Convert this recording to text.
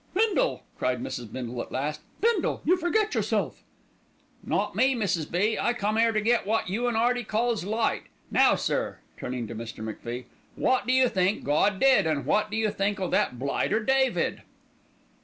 "Bindle!" cried Mrs. Bindle at last; "Bindle, you forget yourself." "Not me, Mrs. B., I come 'ere to get wot you an' 'Earty calls 'light.' Now, sir," turning to Mr. MacFie, "wot do you think Gawd did, an' wot do you think o' that blighter David?"